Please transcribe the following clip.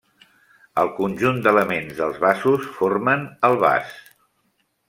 El conjunt d'elements dels vasos formen el vas.